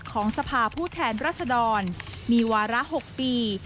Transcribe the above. ของสภาผู้แทนรัศดรมีวาระ๖ปี